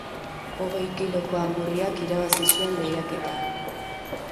Hogei kiloko angurriak irabazi zuen lehiaketa